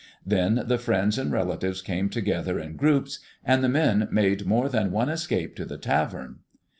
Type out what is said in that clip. Then the friends and relatives came together in groups, and the men made more than one escape to the tavern.